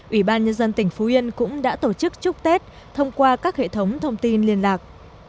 ủy ban nhân dân tỉnh phú yên cũng đã tổ chức chúc tết thông qua các hệ thống thông tin liên lạc